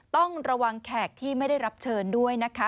ต้องระวังแขกที่ไม่ได้รับเชิญด้วยนะคะ